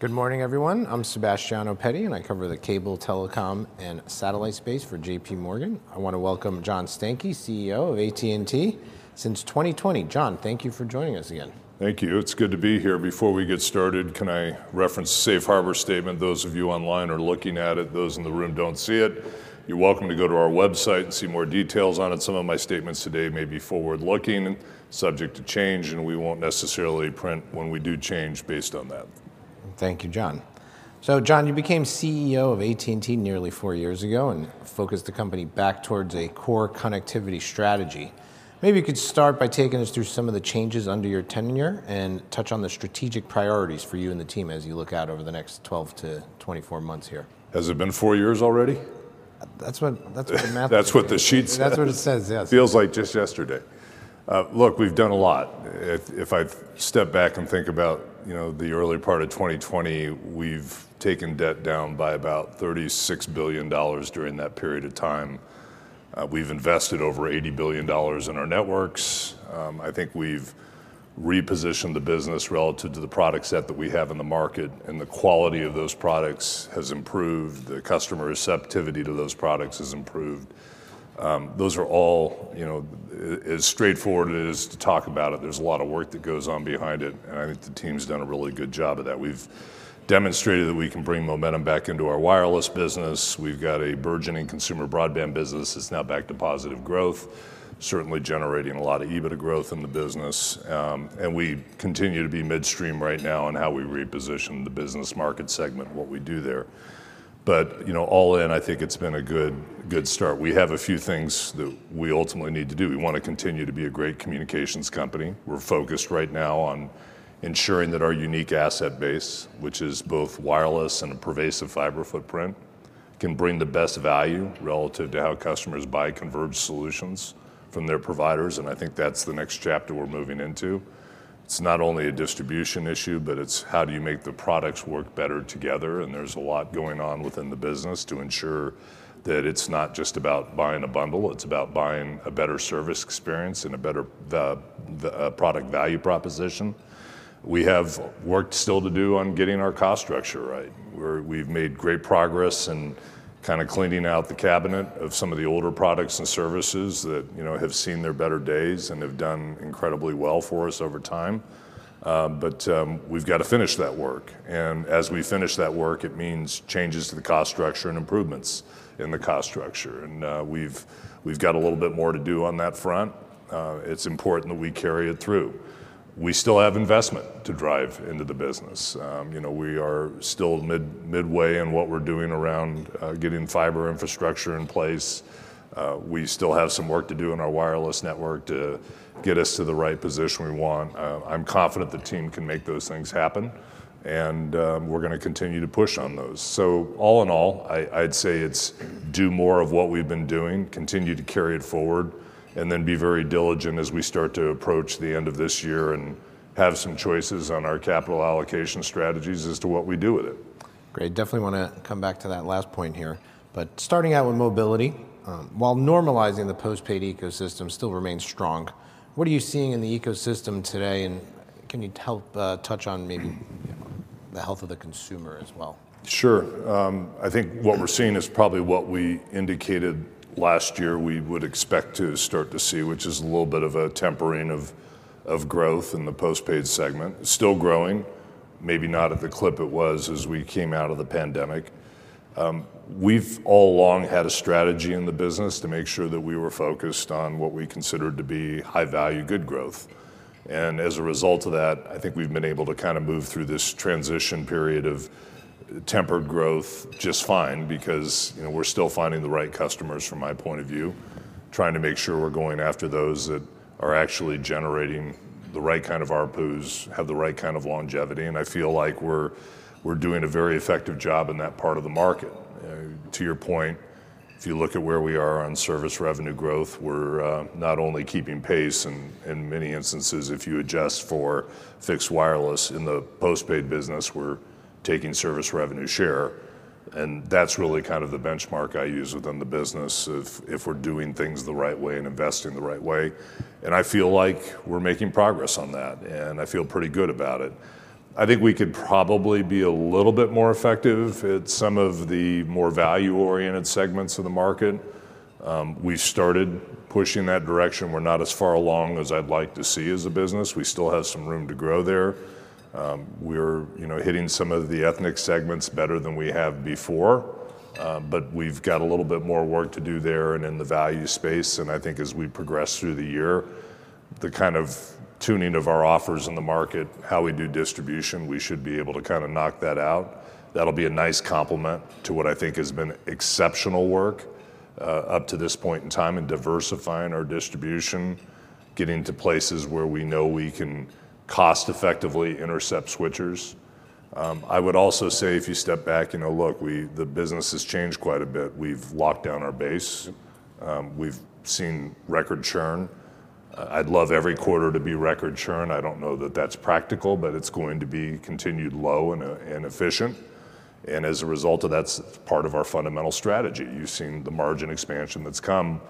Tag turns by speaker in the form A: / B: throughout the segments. A: Good morning, everyone. I'm Sebastiano Petti, and I cover the cable, telecom, and satellite space for J.P. Morgan. I wanna welcome John Stankey, CEO of AT&T since 2020. John, thank you for joining us again.
B: Thank you. It's good to be here. Before we get started, can I reference the Safe Harbor statement? Those of you online are looking at it, those in the room don't see it. You're welcome to go to our website and see more details on it. Some of my statements today may be forward-looking and subject to change, and we won't necessarily print when we do change based on that.
A: Thank you, John. So John, you became CEO of AT&T nearly four years ago and focused the company back towards a core connectivity strategy. Maybe you could start by taking us through some of the changes under your tenure, and touch on the strategic priorities for you and the team as you look out over the next 12-24 months here.
B: Has it been four years already?
A: That's what, that's what the math-
B: That's what the sheets-
A: That's what it says, yes.
B: Feels like just yesterday. Look, we've done a lot. If I step back and think about, you know, the early part of 2020, we've taken debt down by about $36 billion during that period of time. We've invested over $80 billion in our networks. I think we've repositioned the business relative to the product set that we have in the market, and the quality of those products has improved, the customer receptivity to those products has improved. Those are all... You know, as straightforward as it is to talk about it, there's a lot of work that goes on behind it, and I think the team's done a really good job of that. We've demonstrated that we can bring momentum back into our wireless business. We've got a burgeoning consumer broadband business that's now back to positive growth, certainly generating a lot of EBITDA growth in the business. And we continue to be midstream right now in how we reposition the business market segment and what we do there. But, you know, all in, I think it's been a good, good start. We have a few things that we ultimately need to do. We want to continue to be a great communications company. We're focused right now on ensuring that our unique asset base, which is both wireless and a pervasive fiber footprint, can bring the best value relative to how customers buy converged solutions from their providers, and I think that's the next chapter we're moving into. It's not only a distribution issue, but it's how do you make the products work better together, and there's a lot going on within the business to ensure that it's not just about buying a bundle, it's about buying a better service experience and a better value product value proposition. We have work still to do on getting our cost structure right. We've made great progress in kind of cleaning out the cabinet of some of the older products and services that, you know, have seen their better days and have done incredibly well for us over time, but we've got to finish that work, and as we finish that work, it means changes to the cost structure and improvements in the cost structure, and we've got a little bit more to do on that front. It's important that we carry it through. We still have investment to drive into the business. You know, we are still midway in what we're doing around getting fiber infrastructure in place. We still have some work to do on our wireless network to get us to the right position we want. I'm confident the team can make those things happen, and we're gonna continue to push on those. So all in all, I'd say it's do more of what we've been doing, continue to carry it forward, and then be very diligent as we start to approach the end of this year and have some choices on our capital allocation strategies as to what we do with it.
A: Great. Definitely wanna come back to that last point here, but starting out with mobility, while normalizing the postpaid ecosystem still remains strong, what are you seeing in the ecosystem today, and can you help touch on maybe the health of the consumer as well?
B: Sure. I think what we're seeing is probably what we indicated last year we would expect to start to see, which is a little bit of a tempering of growth in the postpaid segment. Still growing, maybe not at the clip it was as we came out of the pandemic. We've all along had a strategy in the business to make sure that we were focused on what we considered to be high-value, good growth, and as a result of that, I think we've been able to kind of move through this transition period of tempered growth just fine because, you know, we're still finding the right customers from my point of view. Trying to make sure we're going after those that are actually generating the right kind of ARPUs, have the right kind of longevity, and I feel like we're doing a very effective job in that part of the market. To your point, if you look at where we are on service revenue growth, we're not only keeping pace, in many instances, if you adjust for fixed wireless in the postpaid business, we're taking service revenue share, and that's really kind of the benchmark I use within the business if we're doing things the right way and investing the right way, and I feel like we're making progress on that, and I feel pretty good about it. I think we could probably be a little bit more effective at some of the more value-oriented segments of the market. We started pushing that direction. We're not as far along as I'd like to see as a business. We still have some room to grow there. We're, you know, hitting some of the ethnic segments better than we have before, but we've got a little bit more work to do there and in the value space, and I think as we progress through the year, the kind of tuning of our offers in the market, how we do distribution, we should be able to kinda knock that out. That'll be a nice complement to what I think has been exceptional work, up to this point in time in diversifying our distribution, getting to places where we know we can cost-effectively intercept switchers. I would also say, if you step back, you know, look, the business has changed quite a bit. We've locked down our base. We've seen record churn. I'd love every quarter to be record churn. I don't know that that's practical, but it's going to be continued low and, and efficient... and as a result of that, it's part of our fundamental strategy. You've seen the margin expansion that's come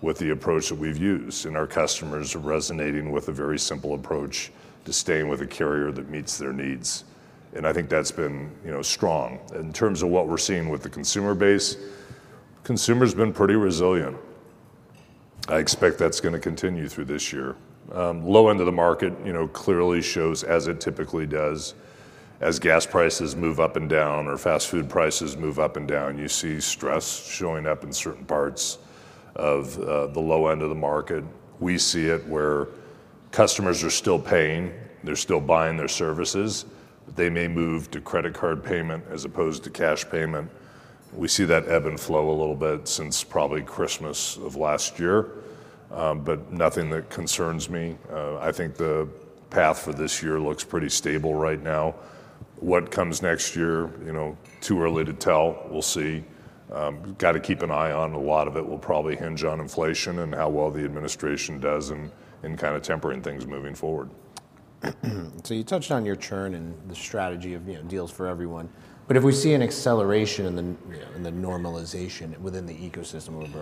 B: with the approach that we've used, and our customers are resonating with a very simple approach to staying with a carrier that meets their needs, and I think that's been, you know, strong. In terms of what we're seeing with the consumer base, consumer's been pretty resilient. I expect that's gonna continue through this year. Low end of the market, you know, clearly shows, as it typically does, as gas prices move up and down, or fast food prices move up and down, you see stress showing up in certain parts of the low end of the market. We see it where customers are still paying, they're still buying their services. They may move to credit card payment as opposed to cash payment. We see that ebb and flow a little bit since probably Christmas of last year, but nothing that concerns me. I think the path for this year looks pretty stable right now. What comes next year, you know, too early to tell. We'll see. Gotta keep an eye on a lot of it will probably hinge on inflation and how well the administration does in kinda tempering things moving forward.
A: You touched on your churn and the strategy of, you know, deals for everyone, but if we see an acceleration in the normalization within the ecosystem of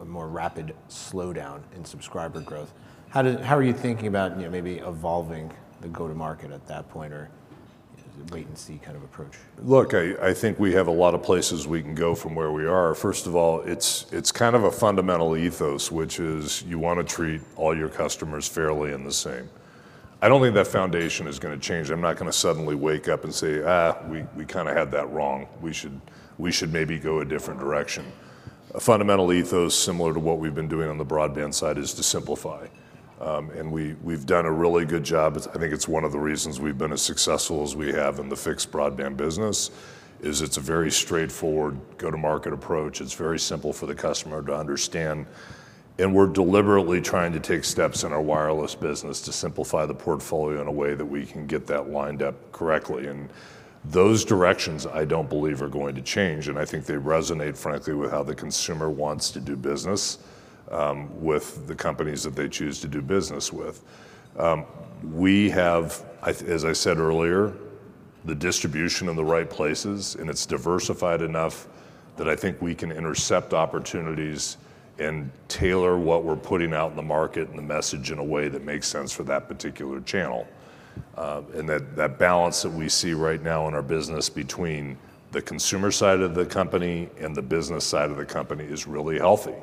A: a more rapid slowdown in subscriber growth, how are you thinking about, you know, maybe evolving the go-to-market at that point, or is it a wait-and-see kind of approach?
B: Look, I think we have a lot of places we can go from where we are. First of all, it's kind of a fundamental ethos, which is you wanna treat all your customers fairly and the same. I don't think that foundation is gonna change. I'm not gonna suddenly wake up and say, "Ah, we kinda had that wrong. We should maybe go a different direction." A fundamental ethos similar to what we've been doing on the broadband side is to simplify. We've done a really good job. I think it's one of the reasons we've been as successful as we have in the fixed broadband business, is it's a very straightforward go-to-market approach. It's very simple for the customer to understand, and we're deliberately trying to take steps in our wireless business to simplify the portfolio in a way that we can get that lined up correctly, and those directions I don't believe are going to change, and I think they resonate frankly with how the consumer wants to do business with the companies that they choose to do business with. We have, as I said earlier, the distribution in the right places, and it's diversified enough that I think we can intercept opportunities and tailor what we're putting out in the market and the message in a way that makes sense for that particular channel. That balance that we see right now in our business between the consumer side of the company and the business side of the company is really healthy,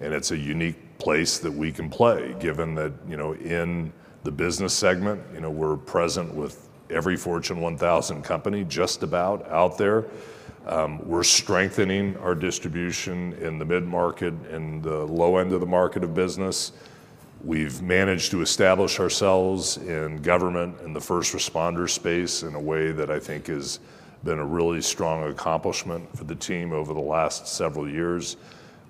B: and it's a unique place that we can play, given that, you know, in the business segment, you know, we're present with every Fortune 1000 company, just about, out there. We're strengthening our distribution in the mid-market and the low end of the market of business. We've managed to establish ourselves in government, in the first responder space, in a way that I think has been a really strong accomplishment for the team over the last several years.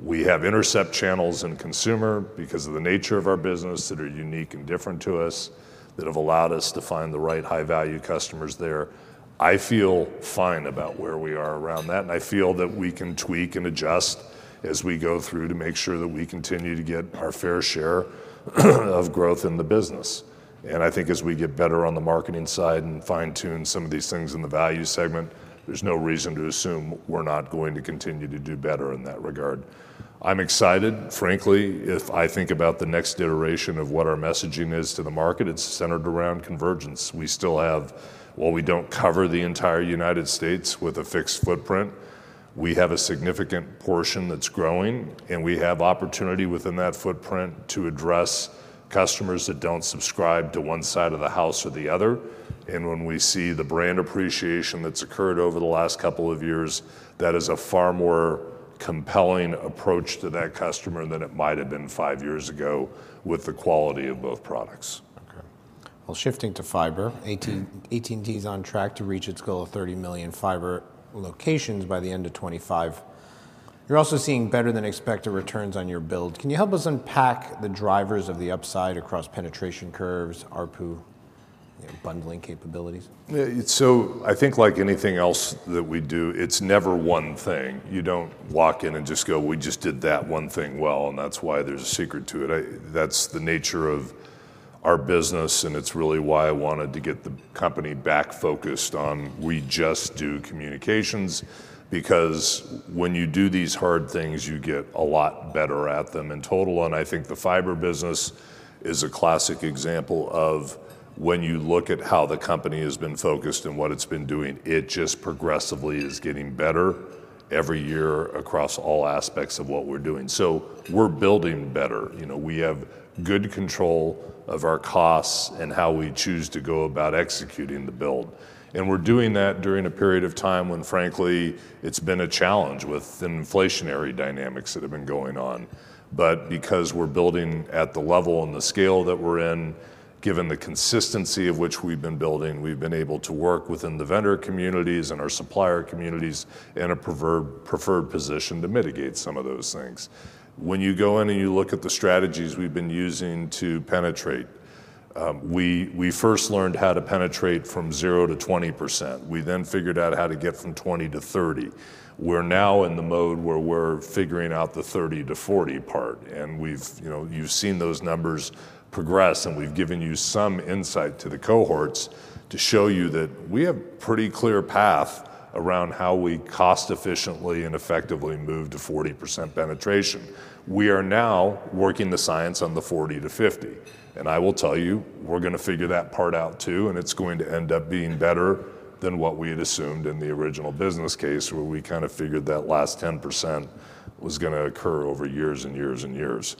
B: We have indirect channels in consumer because of the nature of our business that are unique and different to us, that have allowed us to find the right high-value customers there. I feel fine about where we are around that, and I feel that we can tweak and adjust as we go through to make sure that we continue to get our fair share of growth in the business. And I think as we get better on the marketing side and fine-tune some of these things in the value segment, there's no reason to assume we're not going to continue to do better in that regard. I'm excited, frankly, if I think about the next iteration of what our messaging is to the market; it's centered around convergence. We still have... While we don't cover the entire United States with a fixed footprint, we have a significant portion that's growing, and we have opportunity within that footprint to address customers that don't subscribe to one side of the house or the other. When we see the brand appreciation that's occurred over the last couple of years, that is a far more compelling approach to that customer than it might have been five years ago with the quality of both products.
A: Okay. Well, shifting to fiber, AT&T is on track to reach its goal of 30 million fiber locations by the end of 2025. You're also seeing better-than-expected returns on your build. Can you help us unpack the drivers of the upside across penetration curves, ARPU, bundling capabilities?
B: Yeah, so I think like anything else that we do, it's never one thing. You don't walk in and just go, "We just did that one thing well, and that's why there's a secret to it." That's the nature of our business, and it's really why I wanted to get the company back focused on, we just do communications, because when you do these hard things, you get a lot better at them in total. And I think the fiber business is a classic example of when you look at how the company has been focused and what it's been doing, it just progressively is getting better every year across all aspects of what we're doing. So we're building better. You know, we have good control of our costs and how we choose to go about executing the build, and we're doing that during a period of time when, frankly, it's been a challenge with the inflationary dynamics that have been going on. But because we're building at the level and the scale that we're in, given the consistency of which we've been building, we've been able to work within the vendor communities and our supplier communities in a preferred position to mitigate some of those things. When you go in and you look at the strategies we've been using to penetrate, we first learned how to penetrate from 0% to 20%. We then figured out how to get from 20% to 30%. We're now in the mode where we're figuring out the 30%-40% part, and we've... You know, you've seen those numbers progress, and we've given you some insight to the cohorts to show you that we have pretty clear path around how we cost efficiently and effectively move to 40% penetration. We are now working the science on the 40%-50%, and I will tell you, we're gonna figure that part out, too, and it's going to end up being better than what we had assumed in the original business case, where we kind of figured that last 10% was gonna occur over years and years and years.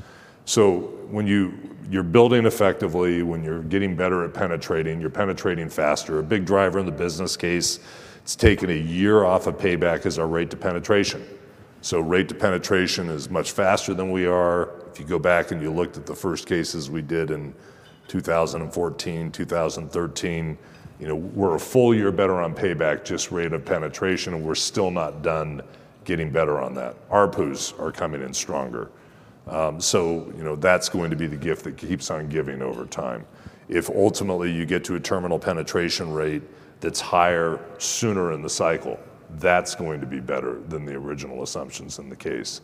B: So when you, you're building effectively, when you're getting better at penetrating, you're penetrating faster. A big driver in the business case, it's taken a year off of payback as our rate to penetration.... So rate to penetration is much faster than we are. If you go back and you looked at the first cases we did in 2014, 2013, you know, we're a full year better on payback, just rate of penetration, and we're still not done getting better on that. ARPUs are coming in stronger. So, you know, that's going to be the gift that keeps on giving over time. If ultimately you get to a terminal penetration rate that's higher sooner in the cycle, that's going to be better than the original assumptions in the case.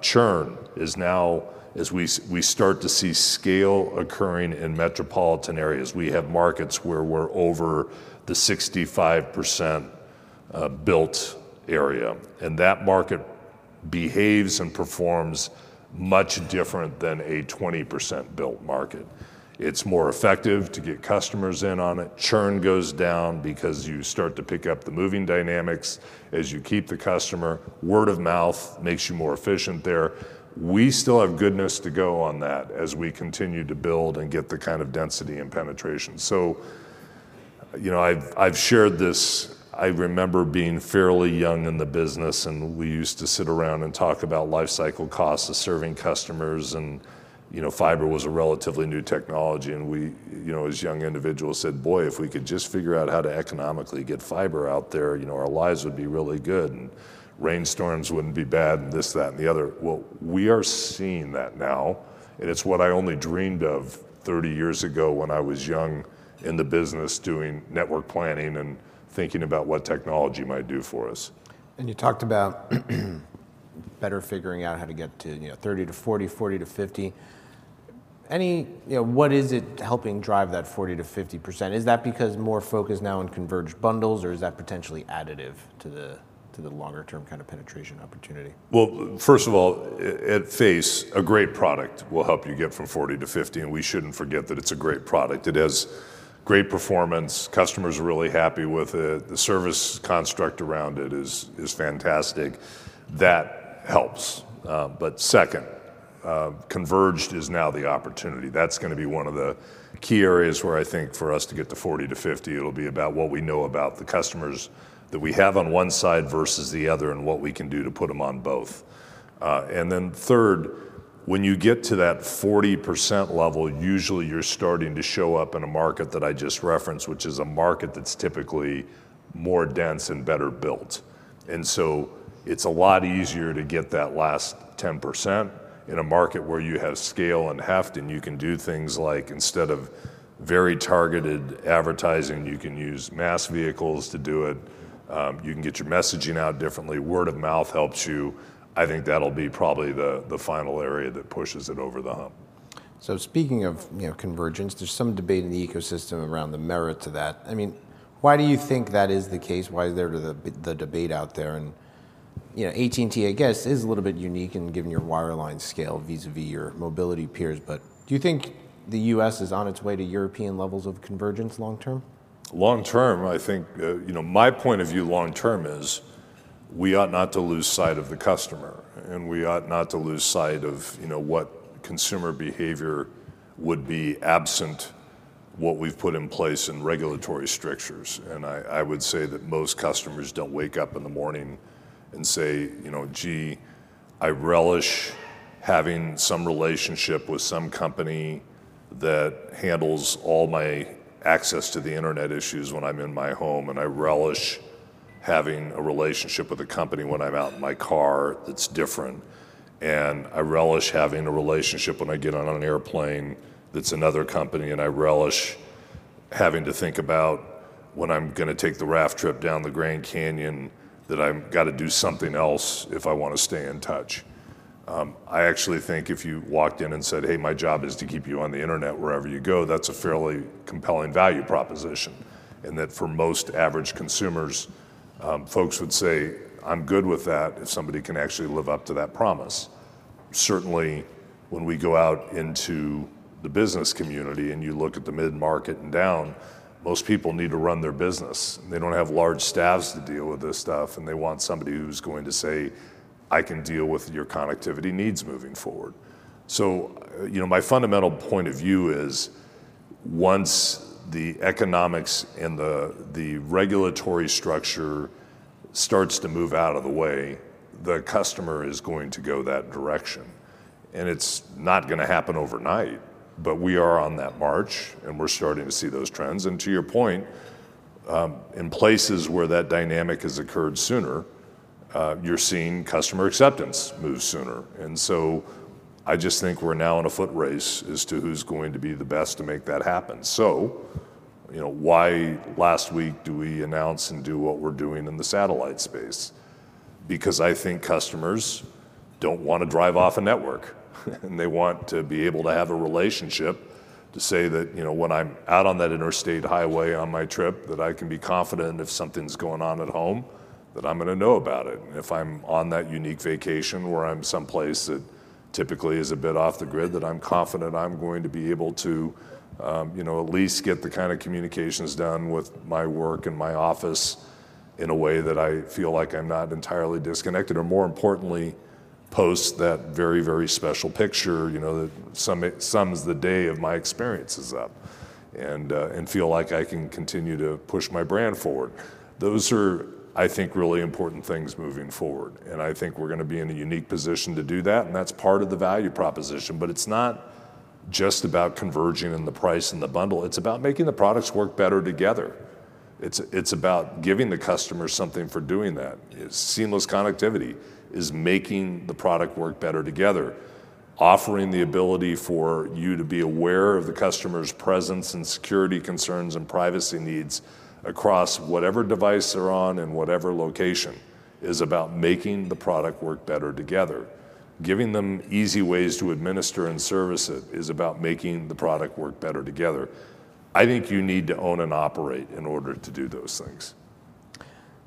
B: Churn is now, as we start to see scale occurring in metropolitan areas, we have markets where we're over the 65%, built area, and that market behaves and performs much different than a 20% built market. It's more effective to get customers in on it. Churn goes down because you start to pick up the moving dynamics as you keep the customer. Word of mouth makes you more efficient there. We still have goodness to go on that as we continue to build and get the kind of density and penetration. So, you know, I've shared this... I remember being fairly young in the business, and we used to sit around and talk about life cycle costs of serving customers, and, you know, fiber was a relatively new technology, and we, you know, as young individuals, said, "Boy, if we could just figure out how to economically get fiber out there, you know, our lives would be really good, and rainstorms wouldn't be bad," and this, that, and the other. Well, we are seeing that now, and it's what I only dreamed of 30 years ago when I was young in the business, doing network planning and thinking about what technology might do for us.
A: You talked about better figuring out how to get to, you know, 30%-40%, 40%-50%. You know, what is it helping drive that 40%-50%? Is that because more focus now on converged bundles, or is that potentially additive to the, to the longer-term kind of penetration opportunity?
B: Well, first of all, at face, a great product will help you get from 40% to 50%, and we shouldn't forget that it's a great product. It has great performance. Customers are really happy with it. The service construct around it is fantastic. That helps. But second, converged is now the opportunity. That's gonna be one of the key areas where I think for us to get to 40% to 50%, it'll be about what we know about the customers that we have on one side versus the other and what we can do to put them on both. And then third, when you get to that 40% level, usually you're starting to show up in a market that I just referenced, which is a market that's typically more dense and better built. And so it's a lot easier to get that last 10% in a market where you have scale and heft, and you can do things like instead of very targeted advertising, you can use mass vehicles to do it. You can get your messaging out differently. Word of mouth helps you. I think that'll be probably the final area that pushes it over the hump.
A: So speaking of, you know, convergence, there's some debate in the ecosystem around the merit to that. I mean, why do you think that is the case? Why is there the debate out there? And, you know, AT&T, I guess, is a little bit unique in giving your wireline scale vis-à-vis your mobility peers, but do you think the U.S. is on its way to European levels of convergence long term?
B: Long term, I think, you know, my point of view long term is we ought not to lose sight of the customer, and we ought not to lose sight of, you know, what consumer behavior would be absent, what we've put in place in regulatory structures. I would say that most customers don't wake up in the morning and say, you know, "Gee, I relish having some relationship with some company that handles all my access to the internet issues when I'm in my home, and I relish having a relationship with a company when I'm out in my car that's different, and I relish having a relationship when I get on an airplane that's another company, and I relish having to think about when I'm gonna take the raft trip down the Grand Canyon, that I've got to do something else if I want to stay in touch." I actually think if you walked in and said, "Hey, my job is to keep you on the internet wherever you go, " that's a fairly compelling value proposition, and that for most average consumers, folks would say, "I'm good with that if somebody can actually live up to that promise." Certainly, when we go out into the business community, and you look at the mid-market and down, most people need to run their business. They don't have large staffs to deal with this stuff, and they want somebody who's going to say, "I can deal with your connectivity needs moving forward." So, you know, my fundamental point of view is once the economics and the, the regulatory structure starts to move out of the way, the customer is going to go that direction, and it's not gonna happen overnight, but we are on that march, and we're starting to see those trends. And to your point, in places where that dynamic has occurred sooner, you're seeing customer acceptance move sooner. And so I just think we're now in a foot race as to who's going to be the best to make that happen. So, you know, why last week do we announce and do what we're doing in the satellite space? Because I think customers don't want to drive off a network, and they want to be able to have a relationship to say that, you know, when I'm out on that interstate highway on my trip, that I can be confident if something's going on at home, that I'm gonna know about it. If I'm on that unique vacation, where I'm someplace that typically is a bit off the grid, that I'm confident I'm going to be able to, you know, at least get the kind of communications done with my work and my office in a way that I feel like I'm not entirely disconnected, or, more importantly, post that very, very special picture, you know, that sums the day of my experiences up, and feel like I can continue to push my brand forward. Those are, I think, really important things moving forward, and I think we're gonna be in a unique position to do that, and that's part of the value proposition. But it's not just about converging, and the price, and the bundle, it's about making the products work better together. It's, it's about giving the customer something for doing that. It's seamless connectivity, is making the product work better together, offering the ability for you to be aware of the customer's presence, and security concerns, and privacy needs across whatever device they're on and whatever location, is about making the product work better together. Giving them easy ways to administer and service it is about making the product work better together. I think you need to own and operate in order to do those things.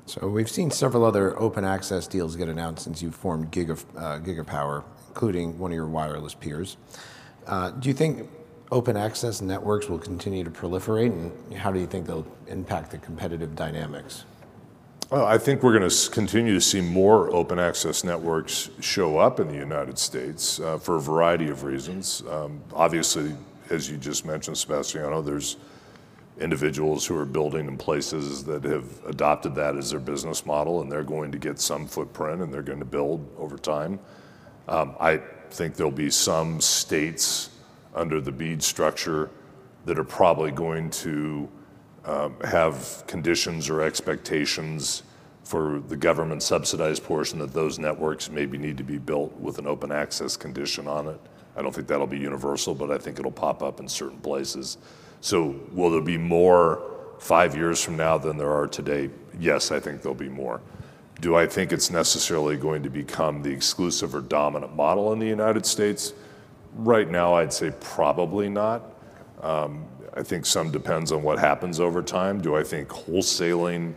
A: So we've seen several other open-access deals get announced since you've formed Gigapower, including one of your wireless peers. Do you think open-access networks will continue to proliferate, and how do you think they'll impact the competitive dynamics?
B: Well, I think we're gonna continue to see more open-access networks show up in the United States, for a variety of reasons. Obviously, as you just mentioned, Sebastiano, there's individuals who are building in places that have adopted that as their business model, and they're going to get some footprint, and they're going to build over time. I think there'll be some states under the BEAD structure that are probably going to have conditions or expectations for the government-subsidized portion, that those networks maybe need to be built with an open-access condition on it. I don't think that'll be universal, but I think it'll pop up in certain places. So will there be more five years from now than there are today? Yes, I think there'll be more. Do I think it's necessarily going to become the exclusive or dominant model in the United States? Right now, I'd say probably not. I think some depends on what happens over time. Do I think wholesaling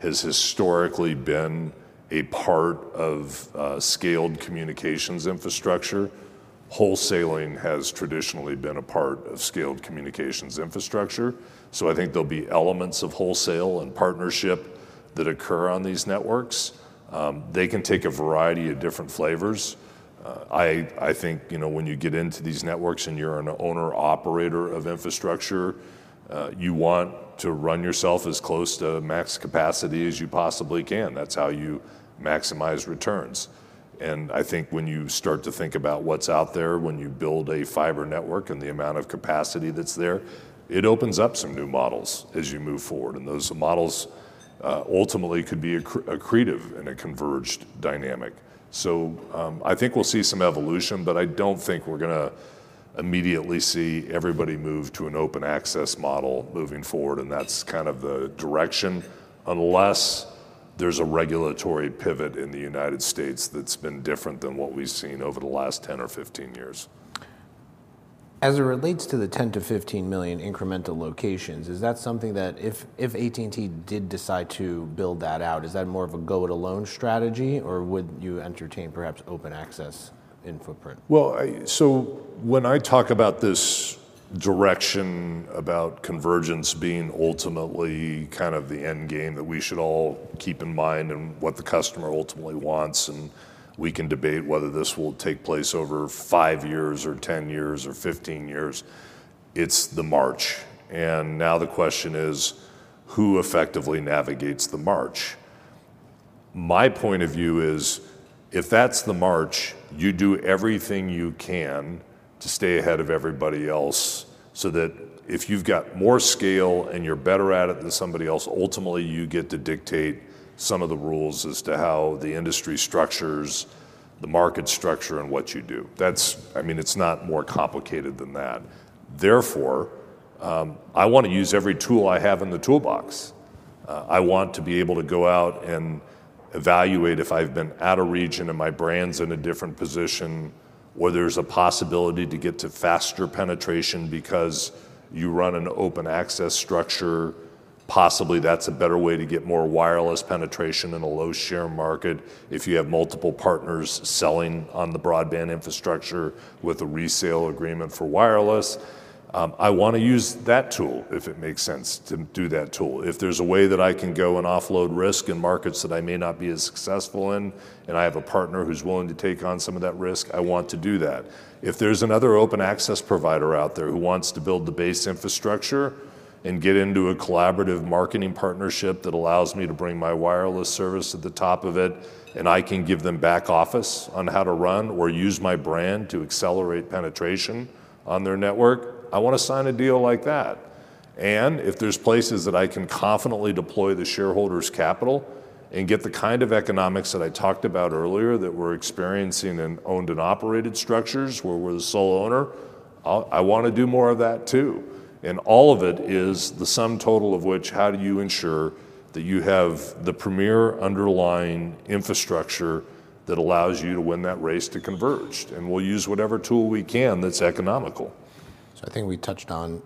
B: has historically been a part of scaled communications infrastructure? Wholesaling has traditionally been a part of scaled communications infrastructure, so I think there'll be elements of wholesale and partnership that occur on these networks. They can take a variety of different flavors. I think, you know, when you get into these networks and you're an owner/operator of infrastructure, you want to run yourself as close to max capacity as you possibly can. That's how you maximize returns, and I think when you start to think about what's out there, when you build a fiber network and the amount of capacity that's there, it opens up some new models as you move forward, and those models ultimately could be accretive in a converged dynamic. I think we'll see some evolution, but I don't think we're gonna immediately see everybody move to an open-access model moving forward, and that's kind of the direction, unless there's a regulatory pivot in the United States that's been different than what we've seen over the last 10 or 15 years.
A: As it relates to the 10-15 million incremental locations, is that something that if AT&T did decide to build that out, is that more of a go it alone strategy, or would you entertain perhaps open-access in footprint?
B: Well, so when I talk about this direction, about convergence being ultimately kind of the end game, that we should all keep in mind and what the customer ultimately wants, and we can debate whether this will take place over 5 years, or 10 years, or 15 years, it's the march, and now the question is: Who effectively navigates the march? My point of view is, if that's the march, you do everything you can to stay ahead of everybody else, so that if you've got more scale and you're better at it than somebody else, ultimately you get to dictate some of the rules as to how the industry structures the market structure and what you do. That's. I mean, it's not more complicated than that. Therefore, I wanna use every tool I have in the toolbox. I want to be able to go out and evaluate if I've been at a region and my brand's in a different position, where there's a possibility to get to faster penetration because you run an open-access structure, possibly that's a better way to get more wireless penetration in a low-share market if you have multiple partners selling on the broadband infrastructure with a resale agreement for wireless. I wanna use that tool if it makes sense to do that tool. If there's a way that I can go and offload risk in markets that I may not be as successful in, and I have a partner who's willing to take on some of that risk, I want to do that. If there's another open-access provider out there who wants to build the base infrastructure and get into a collaborative marketing partnership that allows me to bring my wireless service at the top of it, and I can give them back office on how to run or use my brand to accelerate penetration on their network, I wanna sign a deal like that. And if there's places that I can confidently deploy the shareholders' capital and get the kind of economics that I talked about earlier, that we're experiencing in owned and operated structures, where we're the sole owner, I'll, I wanna do more of that, too. And all of it is the sum total of which: How do you ensure that you have the premier underlying infrastructure that allows you to win that race to convergence? And we'll use whatever tool we can that's economical.
A: I think we touched on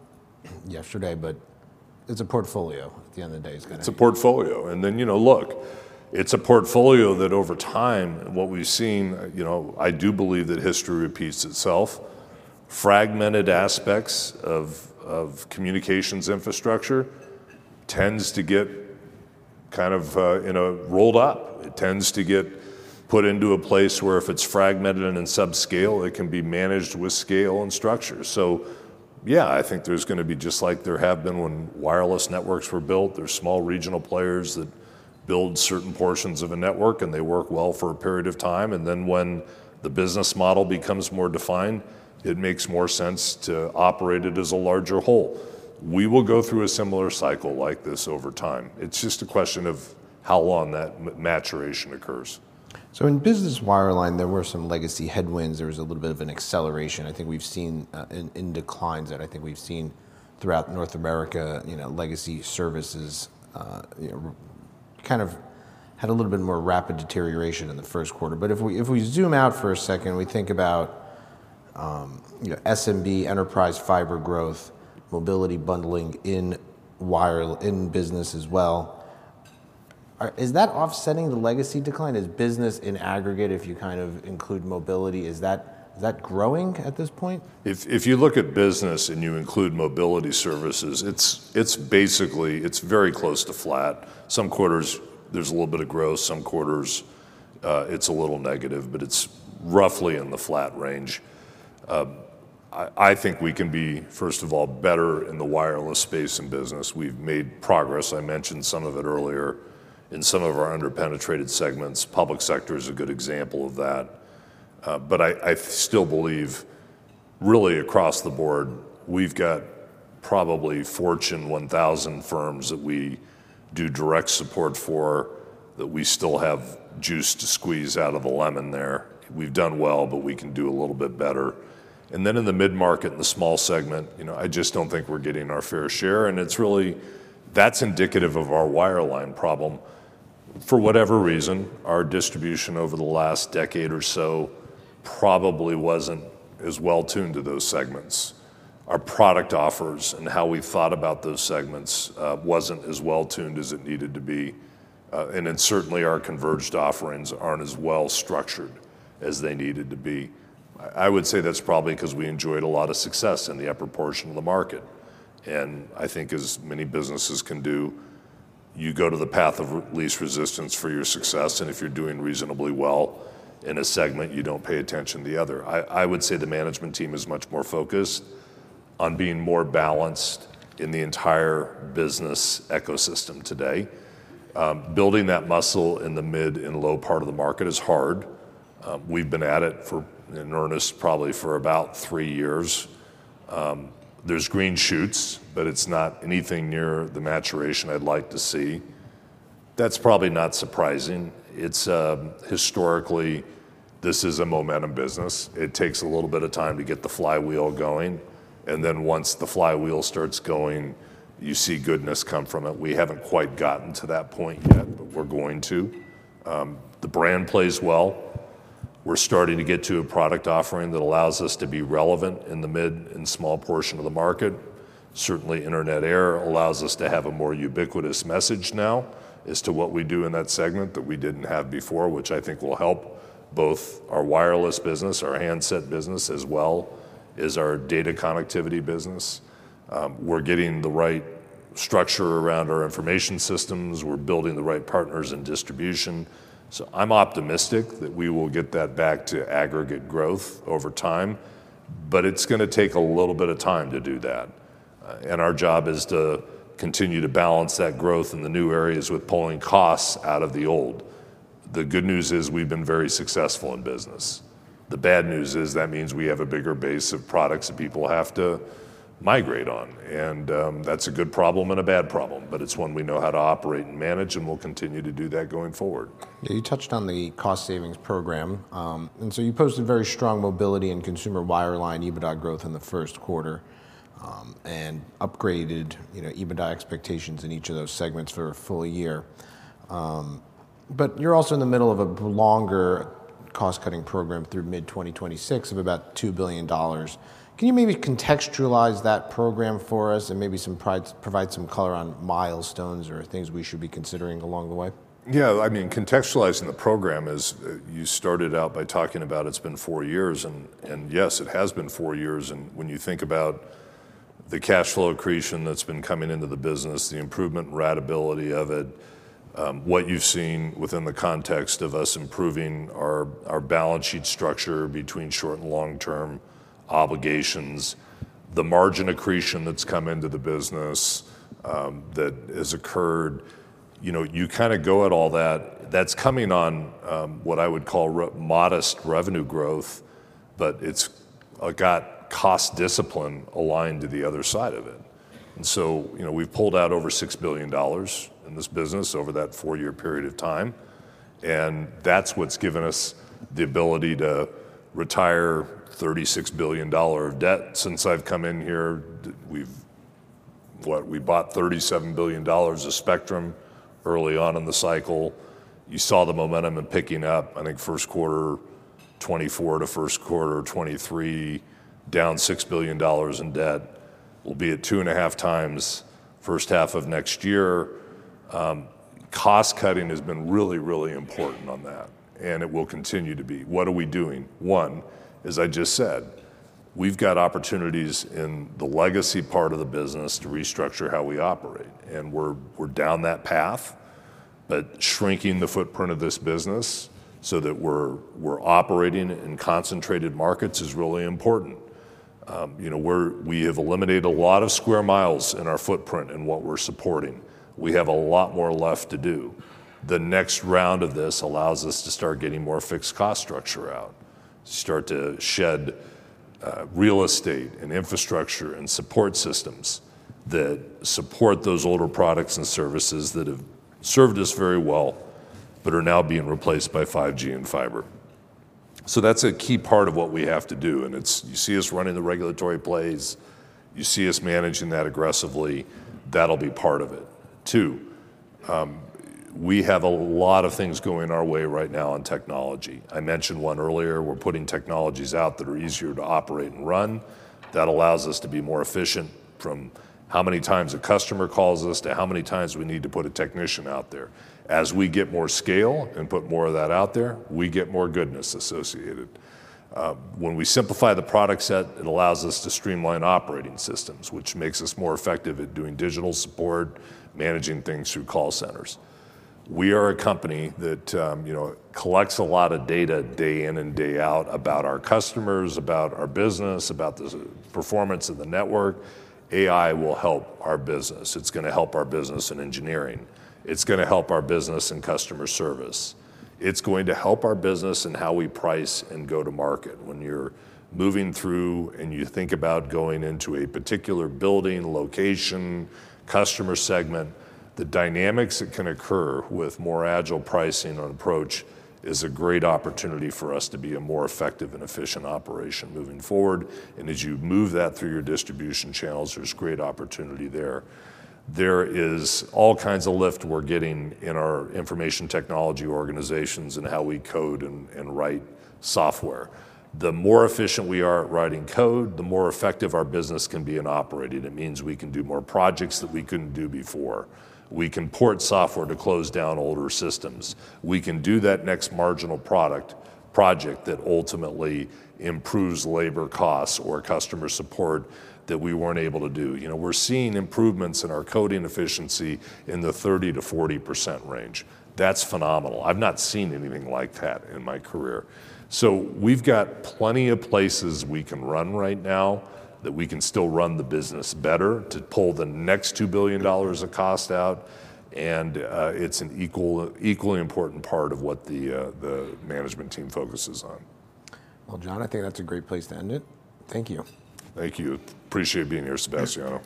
A: yesterday, but it's a portfolio at the end of the day, it's gonna-
B: It's a portfolio, and then, you know, look, it's a portfolio that over time, what we've seen. You know, I do believe that history repeats itself. Fragmented aspects of communications infrastructure tends to get kind of, you know, rolled up. It tends to get put into a place where if it's fragmented and in subscale, it can be managed with scale and structure. So yeah, I think there's gonna be just like there have been when wireless networks were built. There's small regional players that build certain portions of a network, and they work well for a period of time, and then when the business model becomes more defined, it makes more sense to operate it as a larger whole. We will go through a similar cycle like this over time. It's just a question of how long that maturation occurs.
A: So in business wireline, there were some legacy headwinds. There was a little bit of an acceleration. I think we've seen in declines, and I think we've seen throughout North America, you know, legacy services kind of had a little bit more rapid deterioration in the first quarter. But if we zoom out for a second, we think about, you know, SMB, enterprise fiber growth, mobility bundling in business as well. Is that offsetting the legacy decline? Is business in aggregate, if you kind of include mobility, is that growing at this point?
B: If you look at business and you include mobility services, it's basically... It's very close to flat. Some quarters, there's a little bit of growth, some quarters, it's a little negative, but it's roughly in the flat range. I think we can be, first of all, better in the wireless space and business. We've made progress. I mentioned some of it earlier. In some of our under-penetrated segments, public sector is a good example of that. But I still believe really across the board, we've got probably Fortune 1000 firms that we do direct support for, that we still have juice to squeeze out of a lemon there. We've done well, but we can do a little bit better. Then in the mid-market, in the small segment, you know, I just don't think we're getting our fair share, and it's really, that's indicative of our wireline problem. For whatever reason, our distribution over the last decade or so probably wasn't as well tuned to those segments. Our product offers and how we thought about those segments wasn't as well tuned as it needed to be, and then certainly our converged offerings aren't as well structured as they needed to be. I would say that's probably 'cause we enjoyed a lot of success in the upper portion of the market, and I think as many businesses can do, you go to the path of least resistance for your success, and if you're doing reasonably well in a segment, you don't pay attention to the other. I would say the management team is much more focused on being more balanced in the entire business ecosystem today. Building that muscle in the mid and low part of the market is hard. We've been at it for, in earnest, probably for about three years. There's green shoots, but it's not anything near the maturation I'd like to see. That's probably not surprising. It's historically, this is a momentum business. It takes a little bit of time to get the flywheel going, and then once the flywheel starts going, you see goodness come from it. We haven't quite gotten to that point yet, but we're going to. The brand plays well. We're starting to get to a product offering that allows us to be relevant in the mid and small portion of the market. Certainly, Internet Air allows us to have a more ubiquitous message now as to what we do in that segment that we didn't have before, which I think will help both our wireless business, our handset business, as well as our data connectivity business. We're getting the right structure around our information systems. We're building the right partners and distribution. So I'm optimistic that we will get that back to aggregate growth over time, but it's gonna take a little bit of time to do that, and our job is to continue to balance that growth in the new areas with pulling costs out of the old. The good news is we've been very successful in business. The bad news is that means we have a bigger base of products that people have to migrate on, and, that's a good problem and a bad problem, but it's one we know how to operate and manage, and we'll continue to do that going forward.
A: Yeah, you touched on the cost savings program, and so you posted very strong mobility in consumer wireline EBITDA growth in the first quarter, and upgraded, you know, EBITDA expectations in each of those segments for a full year. But you're also in the middle of a longer cost-cutting program through mid-2026 of about $2 billion. Can you maybe contextualize that program for us and maybe provide some color on milestones or things we should be considering along the way?
B: Yeah, I mean, contextualizing the program is, you started out by talking about it's been four years, and, and yes, it has been four years, and when you think about the cash flow accretion that's been coming into the business, the improvement ratability of it, what you've seen within the context of us improving our balance sheet structure between short and long-term obligations, the margin accretion that's come into the business, that has occurred. You know, you kind of go at all that. That's coming on, what I would call relatively modest revenue growth, but it's got cost discipline aligned to the other side of it. And so, you know, we've pulled out over $6 billion in this business over that four-year period of time, and that's what's given us the ability to retire $36 billion of debt. Since I've come in here, we've... What? We bought $37 billion of spectrum early on in the cycle. You saw the momentum in picking up, I think, Q1 2024 to Q1 2023, down $6 billion in debt. We'll be at 2.5x first half of next year. Cost cutting has been really, really important on that, and it will continue to be. What are we doing? One, as I just said. We've got opportunities in the legacy part of the business to restructure how we operate, and we're down that path. But shrinking the footprint of this business so that we're operating in concentrated markets is really important. You know, we have eliminated a lot of square miles in our footprint in what we're supporting. We have a lot more left to do. The next round of this allows us to start getting more fixed cost structure out, start to shed, real estate and infrastructure and support systems that support those older products and services that have served us very well, but are now being replaced by 5G and fiber. So that's a key part of what we have to do, and it's. You see us running the regulatory plays, you see us managing that aggressively. That'll be part of it. Two, we have a lot of things going our way right now in technology. I mentioned one earlier. We're putting technologies out that are easier to operate and run. That allows us to be more efficient from how many times a customer calls us to how many times we need to put a technician out there. As we get more scale and put more of that out there, we get more goodness associated. When we simplify the product set, it allows us to streamline operating systems, which makes us more effective at doing digital support, managing things through call centers. We are a company that, you know, collects a lot of data day in and day out, about our customers, about our business, about the performance of the network. AI will help our business. It's gonna help our business in engineering. It's gonna help our business in customer service. It's going to help our business in how we price and go to market. When you're moving through and you think about going into a particular building, location, customer segment, the dynamics that can occur with more agile pricing or approach is a great opportunity for us to be a more effective and efficient operation moving forward, and as you move that through your distribution channels, there's great opportunity there. There is all kinds of lift we're getting in our information technology organizations and how we code and write software. The more efficient we are at writing code, the more effective our business can be in operating. It means we can do more projects that we couldn't do before. We can port software to close down older systems. We can do that next marginal project that ultimately improves labor costs or customer support that we weren't able to do. You know, we're seeing improvements in our coding efficiency in the 30%-40% range. That's phenomenal. I've not seen anything like that in my career. So we've got plenty of places we can run right now, that we can still run the business better, to pull the next $2 billion of cost out, and it's an equally important part of what the management team focuses on.
A: Well, John, I think that's a great place to end it. Thank you.
B: Thank you. Appreciate being here, Sebastiano.